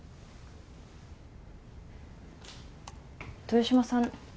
豊島さん